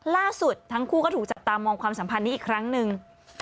ล่าสุดทั้งคู่ก็ถูกจับตามองความสัมพันธ์นี้อีกครั้งหนึ่ง